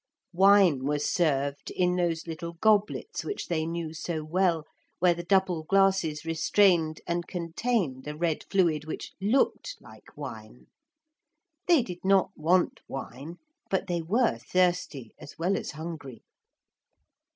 Wine was served in those little goblets which they knew so well, where the double glasses restrained and contained a red fluid which looked like wine. They did not want wine, but they were thirsty as well as hungry.